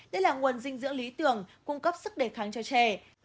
đây là nguồn dinh dưỡng lý tưởng cung cấp sức đề kháng cho trẻ